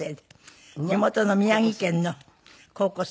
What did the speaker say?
地元の宮城県の高校生。